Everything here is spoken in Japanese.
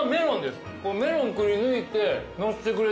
メロンくりぬいてのせてくれてはる。